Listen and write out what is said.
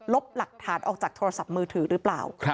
หลักฐานออกจากโทรศัพท์มือถือหรือเปล่า